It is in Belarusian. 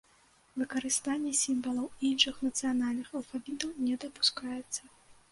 Выкарыстанне сімвалаў іншых нацыянальных алфавітаў не дапускаецца.